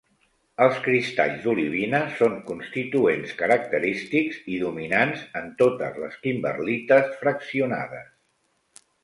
Els cristalls d’olivina són constituents característics i dominants en totes les kimberlites fraccionades.